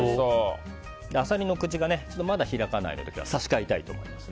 アサリの口が、まだ開かないので差し替えたいと思います。